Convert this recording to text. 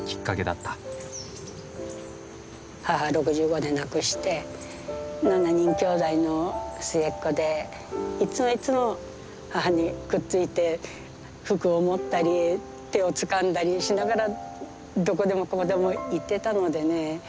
母６５で亡くして７人きょうだいの末っ子でいつもいつも母にくっついて服を持ったり手をつかんだりしながらどこでもここでも行ってたのでね